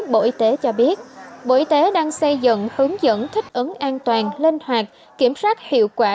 bộ y tế cho biết bộ y tế đang xây dựng hướng dẫn thích ứng an toàn linh hoạt kiểm soát hiệu quả